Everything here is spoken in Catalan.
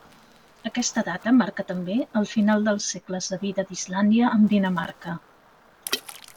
Aquesta data marca també el final dels segles de vida d'Islàndia amb Dinamarca.